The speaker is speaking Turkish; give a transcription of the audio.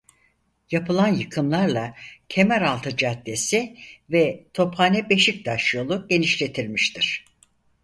Yapılan yıkımlarla Kemeraltı Caddesi ve Tophane-Beşiktaş yolu genişletilmiştir.